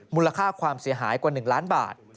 มูลค่าความเสียหายกว่า๑ล้านบาท